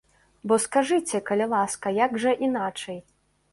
Бо скажыце, калі ласка, як жа іначай.